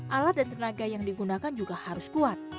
alat dan tenaga yang digunakan juga harus kuat